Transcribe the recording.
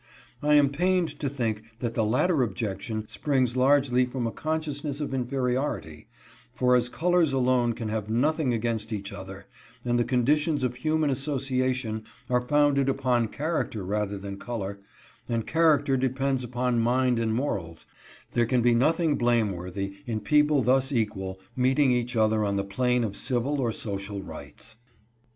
I am pained to think that the latter objection springs largely from a consciousness of inferiority, for as colors alone can have nothing against each other, and the conditions of human association are founded upon character rather than color, and character depends upon mind and morals, there can be nothing blameworthy in people thus equal meeting each other on the plane of civil or social rights.